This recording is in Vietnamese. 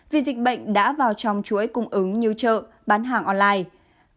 vì dịch bệnh đã vào trong chuỗi cung ứng như chợ bán hàng online